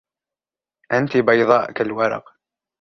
أنت بيضاء كالورق.